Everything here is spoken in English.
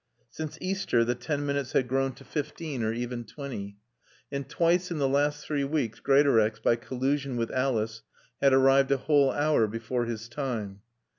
Since Easter the ten minutes had grown to fifteen or even twenty. And twice in the last three weeks Greatorex, by collusion with Alice, had arrived a whole hour before his time.